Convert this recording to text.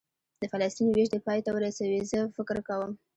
د فلسطین وېش دې پای ته ورسوي، زه فکر کوم.